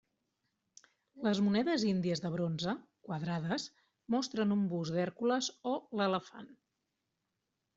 Les monedes índies de bronze, quadrades, mostren un bust d'Hèrcules o l'elefant.